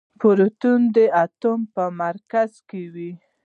پروتون د اتوم په مرکز کې وي.